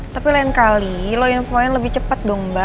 tapi lain kali lo infonya lebih cepet dong mba